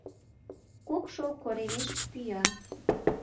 Кукшо коремеш пӱя.